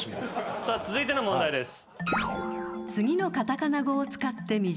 さあ続いての問題です。